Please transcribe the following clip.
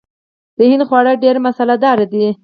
د هند خواړه ډیر مساله دار دي.